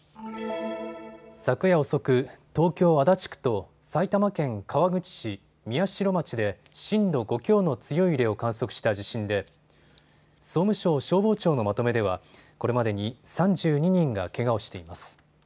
昨夜遅く、東京足立区と埼玉県川口市、宮代町で震度５強の強い揺れを観測した地震で総務省消防庁のまとめではこれまでに３２人がけがをしています。